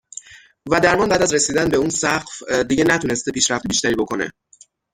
و درمان بعد از رسیدن به اون سقف دیگه نتونسته پیشرفت بیشتری بکنه.